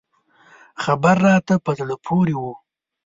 خبر راته په زړه پورې و.